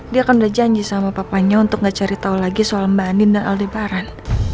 dia kan udah janji sama papanya untuk gak cari tau lagi soal mbak andin dan aldebaran